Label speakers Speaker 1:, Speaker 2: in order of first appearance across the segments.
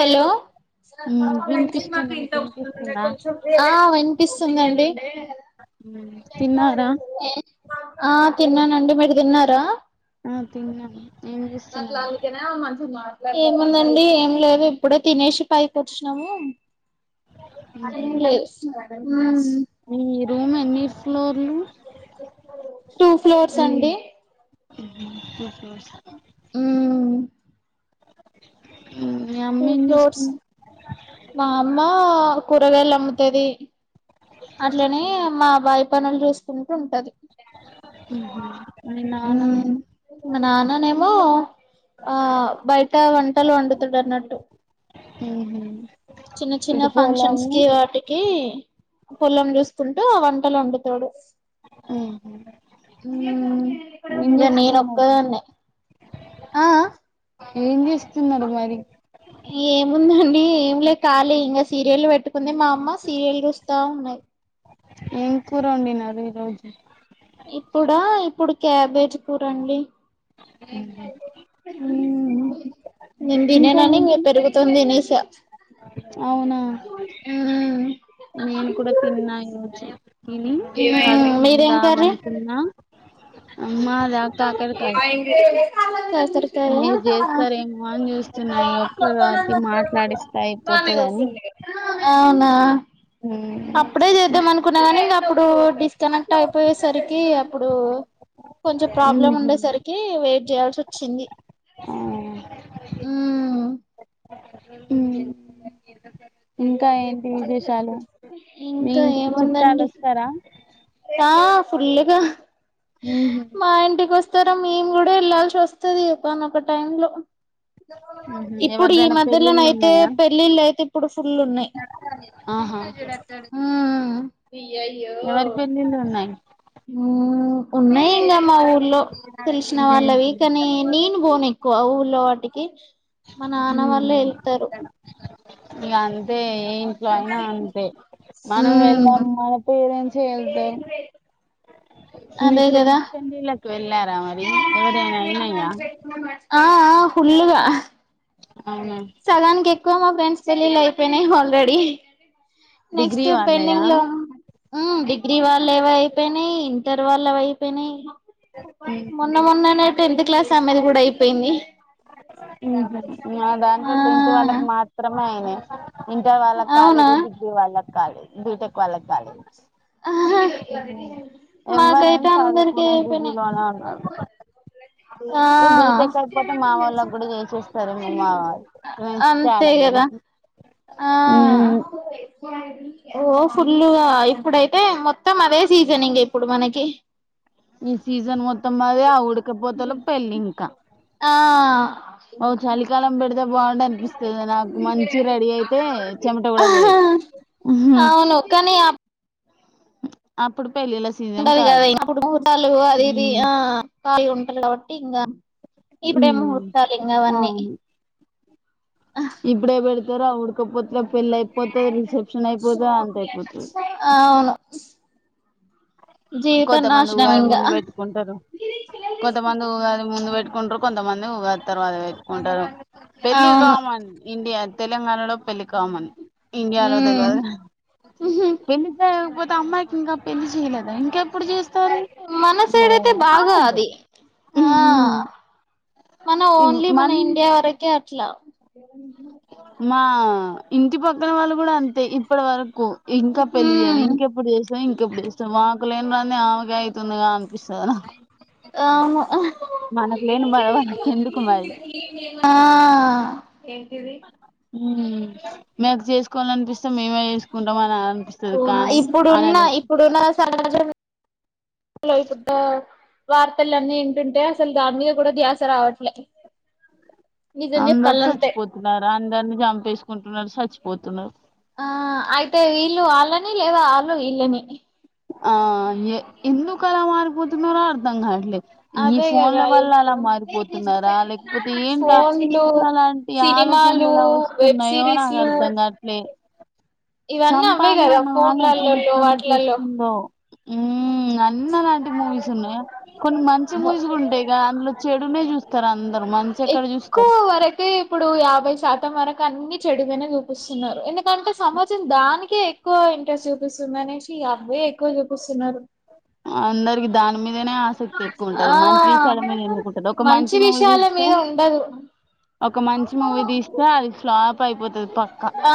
Speaker 1: Hello
Speaker 2: ఉమ్ వినిపిస్తుంది మీకు వినిపిస్తుందా
Speaker 1: ఆ వినిపిస్తుందండి.
Speaker 2: తిన్నారా
Speaker 1: ఆ తిన్నానండి. మీరు తిన్నారా?
Speaker 2: తిన్నా
Speaker 1: మట్లా అలికనే మంచి మా ఏముందండి ఏం లేదు ఇప్పుడే తినేసి పైకొచ్చి నము
Speaker 2: ఉహు.
Speaker 1: ఏం లే ఉమ్
Speaker 2: మీ రూమ్ ఎన్ని ఫ్లోర్లు?
Speaker 1: టూ ఫ్లోర్స్ అండి.
Speaker 2: ఉహు
Speaker 1: ఊమ్
Speaker 2: మీ అమ్మ
Speaker 1: టూ
Speaker 2: ఏం
Speaker 1: ఫ్లోర్స్
Speaker 2: చేస్తుంది
Speaker 1: మా అమ్మా కూరగాయలమ్ముతది. అట్లనే మా బాయ్ పనుల్ చూస్కుంటుంటది.
Speaker 2: మ్ హ్
Speaker 1: ఉమ్ మా నాన్ననేమో ఆ బయట వంటల్ వండుతడ్ అన్నట్
Speaker 2: మ్మ్హు
Speaker 1: చిన్న చిన్న ఫంక్షన్స్ కి వాటికి పొలం చూస్కుంటువన్ ట లందుతోడు
Speaker 2: మ్మ్
Speaker 1: మ్మ్మ్ ఇంకా నేను ఒక్క
Speaker 2: చేస్తున్నారు
Speaker 1: దన్నె ఆ ఆ
Speaker 2: ఏం జేస్తున్నారు మరీ?
Speaker 1: కాలి ఇంగ సీరియల్ వెట్టుకుంది మా అమ్మ సీరియల్ చూస్తా ఉన్నయ్
Speaker 2: ఏం కూర వండినారు ఈ రోజు
Speaker 1: ఇప్పుడా ఇప్పుడు క్యాబేజ్ కూరండి. మ్ నేన్
Speaker 2: ఇంకా
Speaker 1: తిననని ఇంగ
Speaker 2: ఏంటి
Speaker 1: పెరుగుతోన్ తినేశా
Speaker 2: అవునా నేను కూడా తిన్నా ఈ రోజు తిని
Speaker 1: మీదేం
Speaker 2: పడుకుందాం
Speaker 1: కర్రీ
Speaker 2: అనుకున్నా అ మాదా కాకర్ కాయ్
Speaker 1: కాకరకాయ
Speaker 2: మీర్ జేస్తారేమో అన్ చూస్తున్న ఈ ఒక్క సారికి మాట్లాడిస్తే అయిపోతదని
Speaker 1: అవునా అప్పుడే చేద్దాం అనుకున్న గని ఇగ అప్పుడూ డిస్కనెక్ట్ అయిపోయేసరికి అప్పుడూ కొంచం ప్రాబ్లం
Speaker 2: ఉహు
Speaker 1: ఉండేసరికి వెయిట్ చేయాల్సొచ్చింది.
Speaker 2: ఆ
Speaker 1: మ్
Speaker 2: మ్ ఇంకా ఏంటి విశేషాలు మీ
Speaker 1: ఇంకా
Speaker 2: ఇంటికి చుట్టాల్
Speaker 1: ఏముందండి
Speaker 2: వస్తర
Speaker 1: ఆ ఫుల్ గా
Speaker 2: ఉహు
Speaker 1: మా ఇంటికొస్ స్తర మేం గుడా ఎళ్లాల్సి వస్తది ఒక నొక టైమ్లో ఇప్పుడు ఈ
Speaker 2: ఎవరిదైనా పెళ్ళిళ్ళు
Speaker 1: మధ్యలనైతే
Speaker 2: ఉన్నాయా
Speaker 1: పెళ్లిల్లైయితే ఫుల్ ఉన్నయ్
Speaker 2: ఆహా
Speaker 1: మ్ మ్
Speaker 2: ఎవరి పెళ్ళిళ్ళు ఉన్నాయి
Speaker 1: మ్ ఉన్నయి ఇంగ మా ఊర్లో తెల్సిన వాళ్ళవి కనీ నేను పోను ఎక్కువ ఊ ర్లో వాటికి మా నాన్న వాళ్ళే
Speaker 2: ఉహు
Speaker 1: ఎళ్తరు.
Speaker 2: ఇగ అంతే ఏ ఇంట్లో అయినా అంతే మనం
Speaker 1: ఉమ్
Speaker 2: వెళ్లం మన పేరెంట్స్ మీ
Speaker 1: అదే కదా
Speaker 2: ఫ్రెండ్స్ పెండ్లిలకు వెళ్ళా రా మరీ ఎవరియైన అయినయా
Speaker 1: ఫుల్ గ
Speaker 2: అవునా
Speaker 1: సగాన్క్ ఎక్కువ మా ఫ్రెండ్స్ పెళ్ళిళ్ళు అయిపోయినయి ఆల్రెడీ
Speaker 2: డిగ్రీ
Speaker 1: నెక్స్ట్
Speaker 2: వాళ్ళయా
Speaker 1: పెంగ్లోను మ్ డిగ్రీ వాల్ ళ్ళవి అయిపోయినయి, ఇంటర్ వాళ్ళవైపోయినయి మొన్న మొన్ననే టెన్త్ క్లాస్ ఆమెది గుడా అయిపోయింది.
Speaker 2: మ్ హ్ మా
Speaker 1: ఆ
Speaker 2: దాంట్లో టెన్త్ వాళ్ళకు మాత్రమే అయినయి. ఇంటర్ వాళ్ళక్
Speaker 1: అవునా
Speaker 2: కాలేదు, డిగ్రీ వాళ్ళక్ కాలే, బీటెక్ వాళ్ళక్ కాలేదు. ఎవ్వరేం
Speaker 1: మాకైతే అందరికి
Speaker 2: చదుకునే
Speaker 1: అయిపోయినాయి
Speaker 2: బిజీలోనే ఉన్నర్
Speaker 1: ఆ
Speaker 2: ఇగ బీటెక్ అయిపోతే మా వాళ్ళక్ గుడా చే చేస్తారని మా వాల్
Speaker 1: అంతే
Speaker 2: చాలా మంది
Speaker 1: కదా ఆ
Speaker 2: మ్
Speaker 1: ఓ ఫుల్గా ఇప్పుడైతే మొత్తం అదే సీజన్ ఇంగ ఇప్పుడు మనకి
Speaker 2: ఈ సీజన్ మొత్తం అదే ఆ ఉడకపోతలో పెళ్ళింక
Speaker 1: ఆ
Speaker 2: అవు చలికాలం పెడ్దాం బావుండు అనిపిస్తది నాకు మంచి రెడీ అయితే చెమట గుడా పోయద్
Speaker 1: అవును కానీ ఆ
Speaker 2: అప్పుడు పెళ్ళిళ్ళ సీజన్
Speaker 1: ఉంటది కదా
Speaker 2: కాదు
Speaker 1: ఇంగ అపుడు ముహూర్తాలు అది ఇది
Speaker 2: ఉమ్
Speaker 1: ఆ ఖాళీ ఉంటారు కాబట్టి ఇంకా ఇప్పుడే ఏమో ముహూర్తాలు ఇంగ వన్ని
Speaker 2: అవును ఇప్పుడే బెడ్తర్ ఆ ఉడ్కపోతక్ పెళ్ళైపోతద్, రిసెప్షనైపోతద్, అంత అయిపోతది.
Speaker 1: అవును జీవితం
Speaker 2: కొంతమంది
Speaker 1: నాశనం
Speaker 2: ఉగాది
Speaker 1: ఇంగా
Speaker 2: ముందు పెట్టుకుంటరు. కొంతమంది ఉగాది ముందు వెట్ ఉంట్రూ కొంతమంది ఉగాద్ తర్వాత వెట్టుకుంటరు పెళ్ళి
Speaker 1: అవును
Speaker 2: కామన్ ఇండియా తెలంగాణలో పెళ్ళీ కామన్ ఇండియాలో
Speaker 1: ఉమ్
Speaker 2: తెల్వద ఎన్ని సామ్ పోత అమ్మాయికి ఇంకా పెళ్లి జేయలేద ఇం
Speaker 1: మనసైడైతే బాగా
Speaker 2: అవును
Speaker 1: అవి ఆ మన ఓన్లీ మన
Speaker 2: మని
Speaker 1: ఇండియా వరకే అట్లా
Speaker 2: మా ఇంటి పక్కన వాళ్ళు గూడా అంతే ఇప్పటి వరకు ఇంకా పెళ్లి జేయవు
Speaker 1: ఉమ్
Speaker 2: ఇంకెప్పుడు జేస్తవ్, ఇంకెప్పుడు జేస్తవ్ మాకు లేని రందీ ఆమెకేయ్ తిన్నగా అన్పిస్తారా?
Speaker 1: అవును
Speaker 2: బాధ వాళ్ళకి ఎందుకు మరి
Speaker 1: అ ఆ ఏంటిది
Speaker 2: మ్ మేము జెస్కోవాలి అనిపిస్తే మేమే చేసుకుంటాం అనాలి
Speaker 1: ఇప్పుడున్న ఇప్పుడున్న సమాజంలో ఇప్పుడు వార్తలన్నీ వింటుంటే అసల్ దన్మీద గూడా ధ్యాస రావట్లే.
Speaker 2: అందరు చచ్చిపోతున్నారు. అందర్ని జంపేసుకుంటున్నారు సచ్చిపోతున్నరు
Speaker 1: ఆ అయితే వీళ్ళు వాళ్ళని లేదా ఆళ్ళు ఇళ్ళని
Speaker 2: ఆ ఎ ఎందుకల మార్పోతున్నరో అర్ధంగాట్లే ఈ
Speaker 1: అదే
Speaker 2: ఫోన్ల
Speaker 1: కదా
Speaker 2: వల్ల అలా
Speaker 1: ఇప్పుడు
Speaker 2: మారిపోతున్నారా లేకపోతే ఏంట ఆ
Speaker 1: ఫోన్లు
Speaker 2: ఇపుడాలాంటి ఆ
Speaker 1: సినిమాలు
Speaker 2: ఆలోచన్లు ఎలా
Speaker 1: వెబ్
Speaker 2: వొస్తున్నాయో నాకు
Speaker 1: సిరీస్లు
Speaker 2: అర్ధంగాట్లే
Speaker 1: ఇవన్నీ అవే
Speaker 2: చంపాలి
Speaker 1: కదా
Speaker 2: అన్న ఆలోచన
Speaker 1: ఫోన్లలలో
Speaker 2: ఎక్కడ
Speaker 1: వాటిలలో
Speaker 2: నుంచోస్తుందో ఉమ్ అన్నలాంటి మూవీస్ ఉన్నయా? కొన్ని మంచి మూవీస్ గూడా ఉంటాయి గ అందులో చెడునే జూస్తరుఆ
Speaker 1: ఎక్కువ్వరకే ఇపుడు యాభై శాతం వరక్ కన్ని చెడుగానే జూపిస్తున్నారు. ఎందుకంటే సమాజం దానికే ఎక్కువ ఇంట్రెస్ట్ జూపిస్తుందనేసి ఇగా అవ్వే ఎక్కువ జూపిస్తున్నారు.
Speaker 2: అందరికి దాని మీద్ మీదనే ఆసక్తి
Speaker 1: ఆ
Speaker 2: ఎక్కువుంటది. మంచి విషయాల మీద ఎందుకుంటది ఒక మంచి మూవీ
Speaker 1: విషయాల
Speaker 2: జూస్తే
Speaker 1: మీద ఉండదు
Speaker 2: ఒక మంచి మూవీ దీస్తే అది ఫ్లాప్ అయిపోతది పక్
Speaker 1: ఆ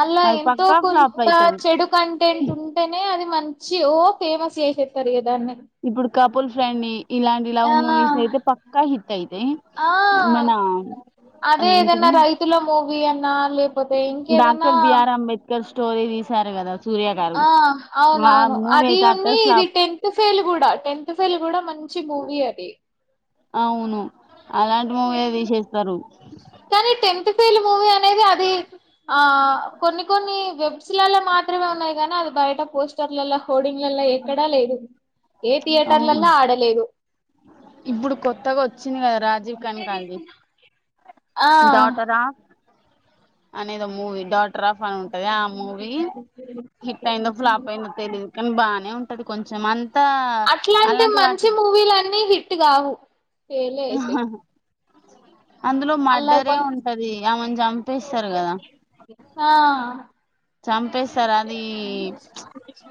Speaker 1: ఆళ్ల ఎంతో
Speaker 2: పక్కా ఫ్లాప్
Speaker 1: కొంత
Speaker 2: అయితది
Speaker 1: చెడు కంటెంట్ ఉంటేనే అది మంచి ఓ ఫేమస్ సేశేత్తరు ఇగ దాన్ని
Speaker 2: ఇపుడ్ కపుల్ ఫ్రెండ్ ని ఇలాంటి
Speaker 1: ఆ
Speaker 2: లవ్ మూవీస్ అయితే పక్కా హిట్ అయితయి
Speaker 1: ఆ
Speaker 2: మన
Speaker 1: అదే ఏదైనా
Speaker 2: అదేంటిది
Speaker 1: రైతుల మూవీ అన్నా, లేపోతే ఇంకేదన్నా
Speaker 2: డాక్టర్ బిఆర్ అంబేద్కర్ స్టోరీ దీసారు గదాచ్
Speaker 1: ఆ అవునవును అది
Speaker 2: అయితే
Speaker 1: ఉంది
Speaker 2: అట్టర్
Speaker 1: ఇది
Speaker 2: ఫ్లాప్
Speaker 1: టెన్త్ ఫెల్ గూడా త టెన్త్ ఫెల్ గూడా మంచి మూవీ అది
Speaker 2: అవును అలాంటి మూవే దిశేస్తరు
Speaker 1: నేది అది ఆ కొన్ని కొన్ని వెబ్స్లల్ల మాత్రమే ఉన్నాయి గానీ అది బయట పోస్టర్లలా, హోర్డింగ్లలా ఎక్కడా లేదు. ఏ
Speaker 2: అవున్
Speaker 1: థియేటర్లలో ఆడలేదు
Speaker 2: ఇప్పుడు కొత్తగొచ్చింది గదా రాజీవ్ కనకాలదీ
Speaker 1: ఆ
Speaker 2: డాటర్ ఆఫ్ అనేదో మూవీ డాట్ ట్రఫ్ అని ఉంటది ఆ మూవీ హిట్ అయిందో, ఫ్లాప్ అయిందో తెలిదు కాని బానే ఉంట్ పదు కొంచమంతా
Speaker 1: అట్లాంటి మంచి మూవీలన్ని హిట్ గావు ఫేలే ఐతయ్
Speaker 2: అందులో మడ్డరే ఉంటది ఆమెన్ జంపేస్తారు గదా
Speaker 1: ఆ
Speaker 2: చంపేసారు అదీ ప్చ్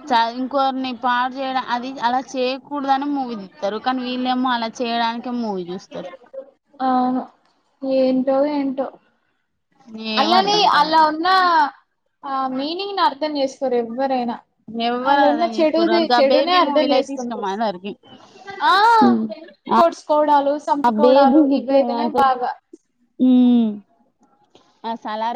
Speaker 2: చా ఇంకొర్ని పాడు జేయడ అది అలా చేయికూడదాని ము యూవీస్తారు కానీ వీళ్ళేమో అలా చేయడానికి మూవి చూస్తారు.
Speaker 1: అవును ఏంటో ఏంటో
Speaker 2: ఏం
Speaker 1: అల్లానీ
Speaker 2: అర్థం
Speaker 1: ఆలా
Speaker 2: కాదు
Speaker 1: ఉన్న ఆ మీనింగ్ ని అర్థం చేసుకోరు ఎవ్వరైనా
Speaker 2: ఎవ్వరు
Speaker 1: అలా ఉన్న
Speaker 2: అర్థం చేసుకోరు
Speaker 1: చెడుది
Speaker 2: గా
Speaker 1: చెడునే
Speaker 2: బేబీ
Speaker 1: అర్ధం
Speaker 2: మూవీలు అయితే ఇష్టం
Speaker 1: చేసుకుంటరు.
Speaker 2: అందరికి
Speaker 1: ఆ పడుసుకోవడాలు,
Speaker 2: ఆ
Speaker 1: సంపుకోవడాలు ఇవి అయితెనే బాగా
Speaker 2: ఉమ్ అస్సలా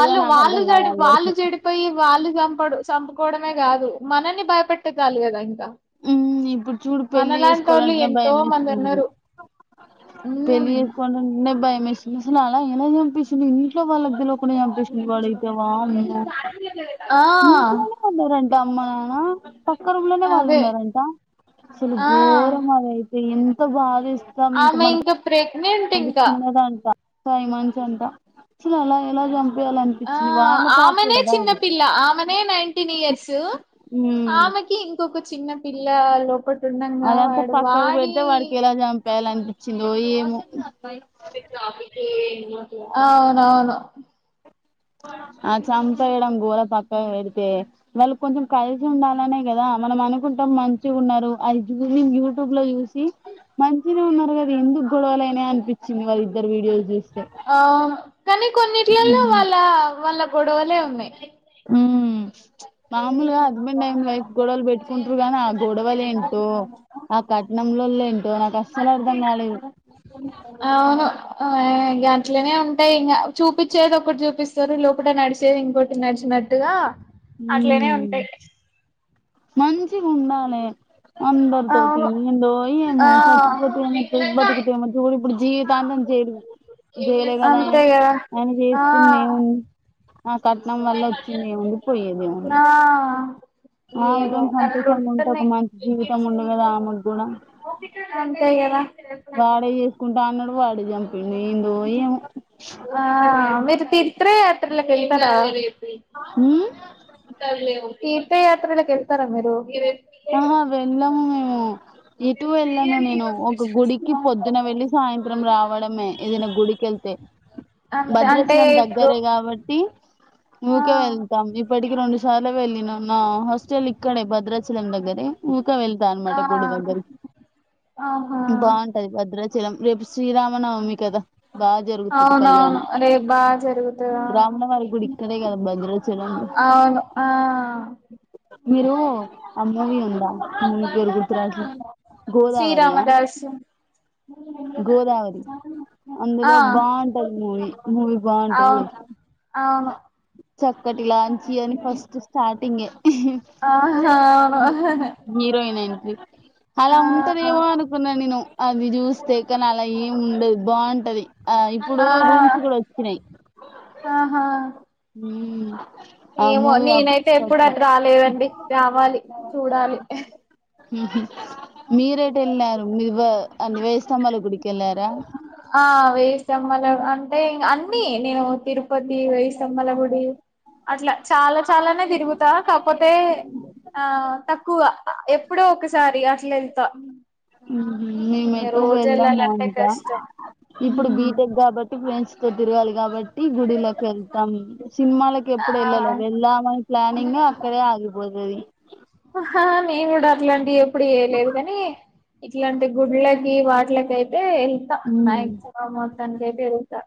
Speaker 1: ఆళ్ళు వాళ్ళు చెడి వాళ్ళు చెడిపోయి వాళ్ళు సంపడు సం కోవడమే కాదు మనని భయపెట్టదాలి కదా ఇ
Speaker 2: ఉమ్ ఇప్పుడు చూడు పెళ్లి చేసుకోవాలంటేనే
Speaker 1: ఎంతో
Speaker 2: భయం
Speaker 1: మంది
Speaker 2: వేస్తుంది
Speaker 1: ఉన్నారు
Speaker 2: పెళ్ళి
Speaker 1: మ్మ్
Speaker 2: చేసుకోవాలి అంటేనే భయం ఎస్తుంది అసలు అలా ఎలా చంపేసిండు ఇంట్లో వాల్ తెల్వకుండా చంపేసిండు వాడ్ ఐతే వామ్మో
Speaker 1: ఆ
Speaker 2: ఇంట్లోనే ఉన్నరంటే అమ్మా పక్క రూమ్ంలోనే వాళ్ళ
Speaker 1: అదే
Speaker 2: ఉన్నరంట అసలు
Speaker 1: ఆ
Speaker 2: ఘోరం అది అయితే ఎంత బాదస్తు
Speaker 1: ఆమె ఇంకా ప్రేక్
Speaker 2: పడుకున్నదంట ఫైవ్ మంత్ అంట అస్ అలా ఎలా చం
Speaker 1: ఆ ఆమెనే చిన్నపిల్ల ఆమెనే నైన్టీన్ ఇయర్సు
Speaker 2: ఉమ్
Speaker 1: ఆమెకి ఇంకొక చిన్న పిల్ల లోపట్
Speaker 2: అదంతా పక్కకు పెడితే వాడికి ఎలా చంపయాలి అనిపించిందో ఏమో
Speaker 1: అవునవును
Speaker 2: ఆ చంపెయడం గొడ పక్క పెడితే వాళ్ళు కొంచెం కలిసి ఉండాలనే కదా మనం అనుకుంటాం మంచి ఉన్నారు అది చూసి యూట్యూబ్ లో చూసి మంచినే ఉన్నారు కదా ఎందుకు గొడవలు అయినాయి అనిపించింది వాళ్ళ ఇద్దరు వీడియోస్ చూస్తే
Speaker 1: అవును కానీ కొన్నిటిల్లో వాళ్ళ వాళ్ళ గొడవలే ఉన్నాయి
Speaker 2: ఉమ్ మాముూగా హస్బెండ్ అండ్ వైఫ్ గొడవల్లు పెట్కుంట్ర గనా ఆ గొడవల్ ఎంటో ఆ కట్నం లొల్లి
Speaker 1: అవును ఆ గట్లనే ఉంటాయి ఇంగా చూపించేది ఒక్కటి చూపిస్తారు లోపట నడిచేది ఇంకోటి నడిచిన నట్టుగా అట్లేనే ఉంటాయి
Speaker 2: మంచి ఉండాలే అందరు తోటి
Speaker 1: అవును
Speaker 2: ఏందో ఆమో
Speaker 1: ఆ
Speaker 2: సచ్చిపోతే ఏం వస్తాది బతుకుతో చూడు ఇప్పుడు జీవితం జె ఏడు జైలే కదా
Speaker 1: అంతే కదా
Speaker 2: ఆయన
Speaker 1: ఆ
Speaker 2: చేసుకుందేమో ఆ కట్నం వల్ల వచ్చింది ఏముంది పోయేదే ఏముంది
Speaker 1: ఆ ఏమో
Speaker 2: ఆమెతోం సంతోషంగా ఉంటే ఒక
Speaker 1: అట్లుంటున్నాయి
Speaker 2: మంచి జీవితం ఉండూ కదా ఆమెకు కూడా
Speaker 1: అంతే కదా
Speaker 2: వాడే చేసుకుంటా అన్నాడు వాడే చంపిడు ఏందో ఏం
Speaker 1: త్రీ యాత్రలు ఏళ్తారా
Speaker 2: ఉమ్
Speaker 1: తీర్థయాత్రలు కెళ్తారా తార మీరు
Speaker 2: ఆహా వెళ్ళాము మేము ఎటు వెళ్ళను నేను ఒక గుడికి పొద్దున వెళ్ళి సాయంత్రం రావడమే ఏదైనా గుడికి వెళ్ తే
Speaker 1: అంతే అంటే
Speaker 2: భద్రాచలం
Speaker 1: ఇప్పుడు
Speaker 2: దగ్గరే కాబట్టి
Speaker 1: ఆ
Speaker 2: నుకే వెళ్తాం ఇప్పటికి వెళ్ళినం మా హాస్టెల్ ఇక్కడే భద్రాచలం దగ్గర తే ఊకే వెళ్తా అనమాట
Speaker 1: ఆ
Speaker 2: గుడి దగ్గరికి
Speaker 1: ఆహా
Speaker 2: బాగుంటది భద్రాచలం రేపు శ్రీరామనవమి కదా బాగా జరుగుతుది
Speaker 1: అవునవును
Speaker 2: కళ్యాణం
Speaker 1: రేపు బాగా జరుగుతదా
Speaker 2: రాములవారి గుడి ఇక్కడే కదా భద్రాచలం
Speaker 1: అవును ఆ
Speaker 2: మీరు ఆ మూవి ఉందా పేరు గుతురవట్లే గోదావరి ఆ
Speaker 1: నేను ఊగుతాండి అవును
Speaker 2: అందులో బావుంటది మూవీ. మూవీ బావుంటది.
Speaker 1: అవును అవును
Speaker 2: చక్కటి లాంచి అని ఫస్ట్ స్టార్టింగే
Speaker 1: ఆహా హ
Speaker 2: హీరోయిన్ ఎంట్రీ అలా ఉంటదేమో అనుకున్నా నేను అది చూస్తే కానీ అలా ఏమి ఉండది బాగుంటది ఆ ఇప్పుడు
Speaker 1: ఆ
Speaker 2: రూమ్స్ కూడా వచ్చినాయి
Speaker 1: ఆహా
Speaker 2: ఆ
Speaker 1: ఏమో
Speaker 2: మూవీ
Speaker 1: నీనైతే ఎప్పుడు
Speaker 2: అప్పట్లో
Speaker 1: అటు రాలేదండి రావాలి, చూడాలి. య
Speaker 2: ఉహు మీరేటెల్లారు మీవ అన్ని వేస్తంభాల గుడికి వెళ్ళారా?
Speaker 1: ఆ వేయ్యిస్థంబాల అంటే అన్ని నేను తిరుపతి, వెేయ్యిస్థంబాల గుడి అట్లా చాలా చాలానే తిరుగుతా కాపోతే ఆ తక్కువ ఎప్పుడో ఒకసారి అట్లేల్తా
Speaker 2: ఉహు మేమెటు వెళ్ళము
Speaker 1: వెళ్ళాలంటే
Speaker 2: ఓన్ గా
Speaker 1: కష్టం
Speaker 2: ఇప్పుడు బీటెక్ కాబట్టి ఫ్రెండ్స్ తో తిరగాలి కాబట్టి టి గుడిలోకి వెళ్తాం సినిమాలకి
Speaker 1: ఆ
Speaker 2: ఎప్పుడు ఏళ్ళలే వెళ్దామని ప్లానింగ్ అక్కడే ఆగిపోదు గది
Speaker 1: ఆ హ నేను కూడా అట్లాంటి ఎప్పుడు చేయలేదు. కానీ ఇట్లాంటి గుళ్ళకి వాట్లకి అయి ఏయ్ ఎళ్తా
Speaker 2: మ్మ్
Speaker 1: మ్యాక్సిమం మొత్తానికైతే వెల్తా